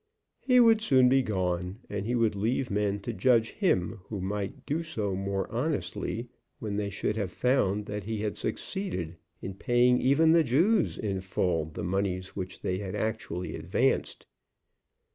He would soon be gone, and he would leave men to judge him who might do so the more honestly when they should have found that he had succeeded in paying even the Jews in full the moneys which they had actually advanced.